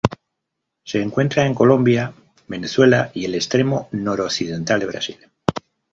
Se encuentra en Colombia, Venezuela y el extremo noroccidental de Brasil.